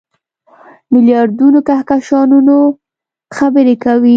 میلیاردونو کهکشانونو خبرې کوي.